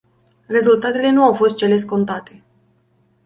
Rezultatele nu au fost cele scontate.